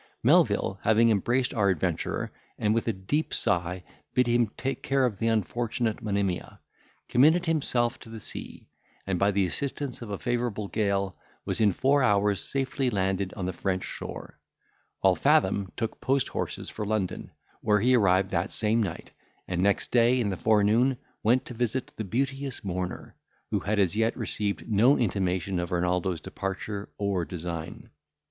Melvil, having embraced our adventurer, and with a deep sigh bid him take care of the unfortunate Monimia, committed himself to the sea, and, by the assistance of a favourable gale, was in four hours safely landed on the French shore; while Fathom took post horses for London, where he arrived that same night, and next day, in the forenoon, went to visit the beauteous mourner, who had as yet received no intimation of Renaldo's departure or design.